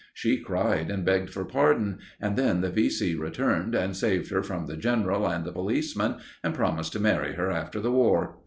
She cried and begged for pardon; and then the V.C. returned, and saved her from the General and the policeman, and promised to marry her after the War.